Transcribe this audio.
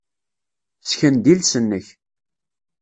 Ssken-d iles-nnek.